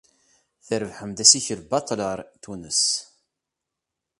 Trebḥem-d assikel baṭel ɣer Tunes.